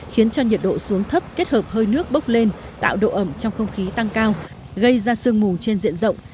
khiến cho nhiệt độ xuống thấp kết hợp hơi nước bốc lên tạo độ ẩm trong không khí tăng cao gây ra sương mù trên diện rộng